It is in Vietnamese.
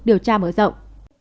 điều tra mở rộng